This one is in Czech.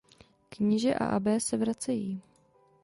Kníže a abbé se vracejí.